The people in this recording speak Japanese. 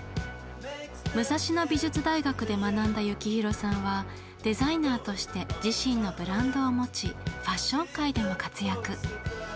武蔵野美術大学で学んだ幸宏さんはデザイナーとして自身のブランドを持ちファッション界でも活躍。